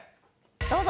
どうぞ。